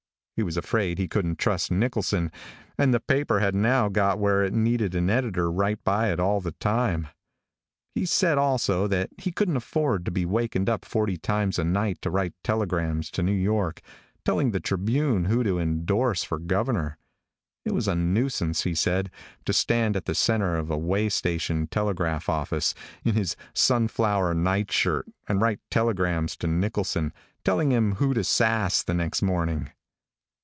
He was afraid he couldn't trust Nicholson, and the paper had now got where it needed an editor right by it all the time. He said also that he couldn't afford to be wakened up forty times a night to write telegrams to New York, telling the Tribune who to indorse for governor. It was a nuisance, he said, to stand at the center of a way station telegraph office, in his sun flower night shirt, and write telegrams to Nicholson, telling him who to sass the next morning.